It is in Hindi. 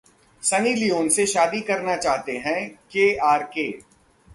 सनी लिओन से शादी करना चाहते हैं केआरके